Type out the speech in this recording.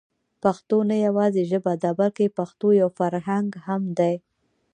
پښتو نه يوازې ژبه ده بلکې پښتو يو فرهنګ هم دی.